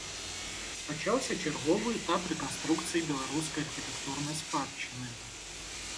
Пачаўся чарговы этап рэканструкцыі беларускай архітэктурнай спадчыны.